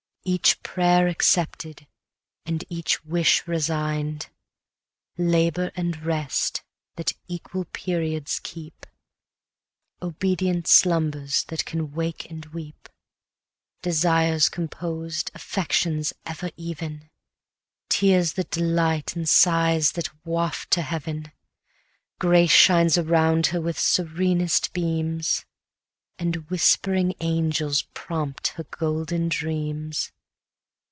Each prayer accepted, and each wish resign'd; 210 Labour and rest, that equal periods keep; 'Obedient slumbers that can wake and weep;' Desires composed, affections ever even; Tears that delight, and sighs that waft to heaven. Grace shines around her with serenest beams, And whispering angels prompt her golden dreams.